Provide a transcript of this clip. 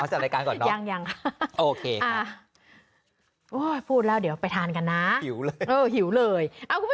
เอาจากรายการก่อนเนอะโอเคครับโอ้ยพูดแล้วเดี๋ยวไปทานกันนะหิวเลย